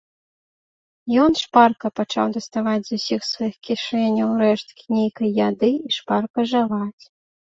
Ён шпарка пачаў даставаць з усіх сваіх кішэняў рэшткі нейкай яды і шпарка жаваць.